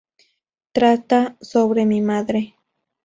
Trata sobre mi madre".